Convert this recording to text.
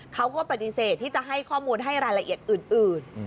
เขาก็ปฏิเสธที่จะให้ข้อมูลให้รายละเอียดอื่น